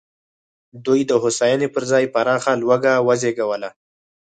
دوی د هوساینې پر ځای پراخه لوږه وزېږوله.